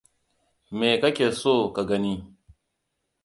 Me ka ke so ka gani?